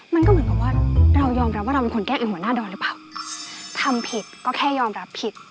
มันก็เหมือนกันว่าเราย่อมรับว่าเราเป็นคนแก้อีกหัวหน้าดอลหรือเปล่า